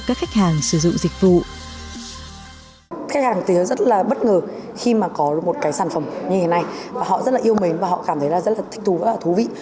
các khách hàng tìm thấy rất là yêu mến và họ cảm thấy rất là thích thú rất là thú vị